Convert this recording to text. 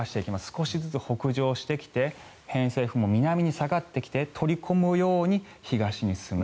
少しずつ北上してきて偏西風も南に下がってきて取り込むように東に進む。